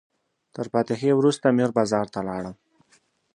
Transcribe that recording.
تر فاتحې وروسته میر بازار ته لاړم.